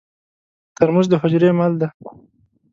ترموز د حجرې مل دی.